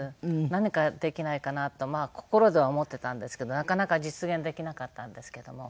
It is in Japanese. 何かできないかなと心では思ってたんですけどなかなか実現できなかったんですけども。